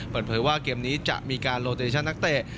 เปิดเผยว่าเกมนี้จะมีการโลเตชั่นนักเตะ